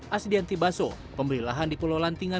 asdian tibaso pembeli lahan di pulau lantingan